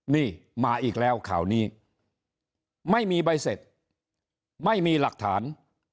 นี่มาอีกแล้วข่าวนี้ไม่มีใบเสร็จไม่มีหลักฐาน